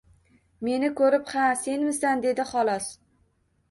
Meni ko‘rib: — Ha, senmisan... — dedi, xolos.